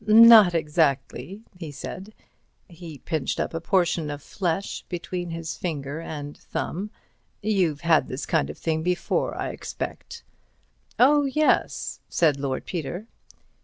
"Not exactly," he said. He pinched up a portion of flesh between his finger and thumb. "You've had this kind of thing before, I expect." "Oh, yes," said Lord Peter.